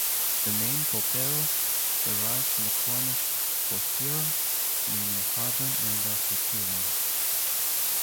The name Polperro derives from the Cornish "Porthpyra", meaning "harbour named after Pyran".